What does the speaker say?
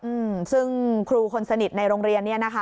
อืมซึ่งครูคนสนิทในโรงเรียนเนี้ยนะคะ